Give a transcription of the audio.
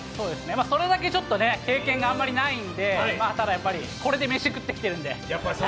それだけ経験がないんで、でもこれで飯食ってきてるんで。